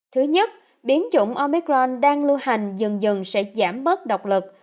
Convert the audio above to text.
thứ nhất biến chủng omicron đang lưu hành dần dần sẽ giảm bớt độc lực